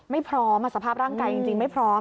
ไม่พร้อมสภาพร่างกายจริงไม่พร้อม